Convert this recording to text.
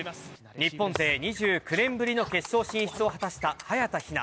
日本勢２９年ぶりの決勝進出を果たした、早田ひな。